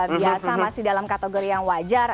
biasa masih dalam kategori yang wajar